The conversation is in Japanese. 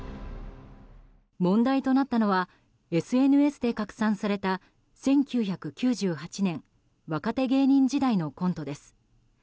問題となったのはＳＮＳで拡散された１９９８年若手芸人時代のコントです。